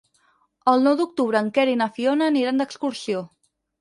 El nou d'octubre en Quer i na Fiona aniran d'excursió.